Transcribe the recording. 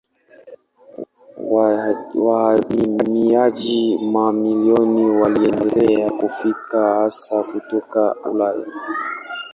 Wahamiaji mamilioni waliendelea kufika hasa kutoka Ulaya.